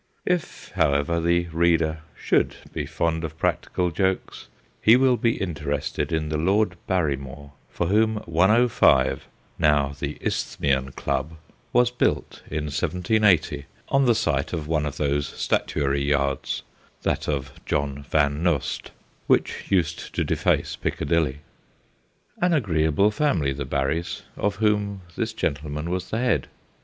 If, however, the reader should be fond of practical jokes, he will be interested in the Lord Barrymore for whom 105 (now the Isthmian Club) was 142 THE GHOSTS OF PICCADILLY built in 1780, on the site of one of those statuary yards (that of John Van Nost) which used to deface Piccadilly. An agreeable family, the Barry s, of whom this gentleman was the head.